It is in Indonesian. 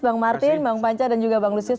bang martin bang panca dan juga bang lusius